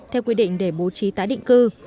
theo quy định để bố trí tái định cư